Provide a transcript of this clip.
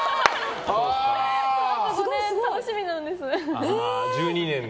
５年、楽しみなんです。